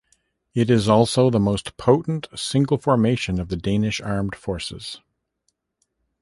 It is also the most potent single formation of the Danish armed forces.